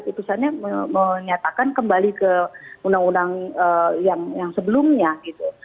putusannya menyatakan kembali ke undang undang yang sebelumnya gitu